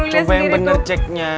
coba yang bener ceknya